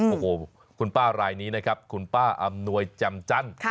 โอ้โหคุณป้ารายนี้นะครับคุณป้าอำนวยแจ่มจันทร์